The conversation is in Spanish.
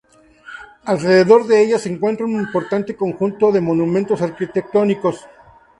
Alrededor de ella se encuentra un importante conjunto de monumentos arquitectónicos.